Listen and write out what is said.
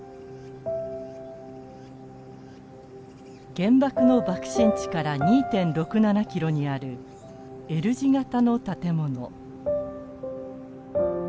原爆の爆心地から２．６７ｋｍにあるＬ字型の建物。